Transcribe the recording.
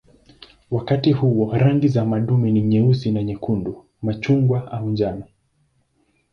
Wakati huo rangi za madume ni nyeusi na nyekundu, machungwa au njano.